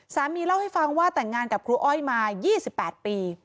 เล่าให้ฟังว่าแต่งงานกับครูอ้อยมา๒๘ปี